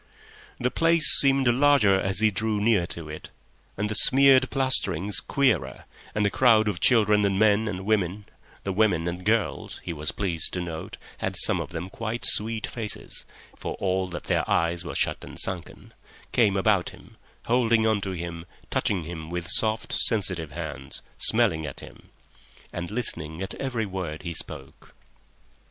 The place seemed larger as he drew near to it, and the smeared plasterings queerer, and a crowd of children and men and women (the women and girls he was pleased to note had, some of them, quite sweet faces, for all that their eyes were shut and sunken) came about him, holding on to him, touching him with soft, sensitive hands, smelling at him, and listening at every word he spoke.